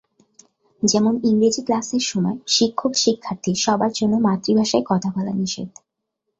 যেমন, ইংরেজি ক্লাসের সময় শিক্ষক-শিক্ষার্থী সবার জন্য মাতৃভাষায় কথা বলা নিষেধ।